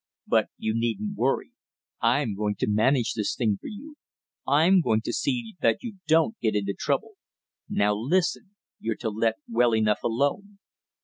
But you needn't worry, I'm going to manage this thing for you, I'm going to see that you don't get into trouble. Now, listen, you're to let well enough alone.